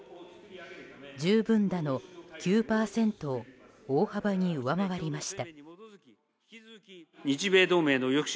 十分だの９％を大幅に上回りました。